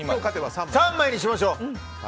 ３枚にしましょう！